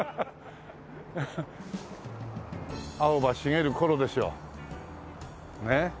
青葉茂る頃ですよねえ。